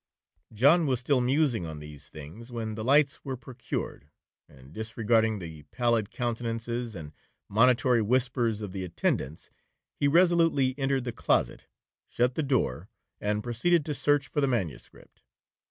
John was still musing on these things when the lights were procured, and, disregarding the pallid countenances and monitory whispers of the attendants, he resolutely entered the closet, shut the door, and proceeded to search for the manuscript.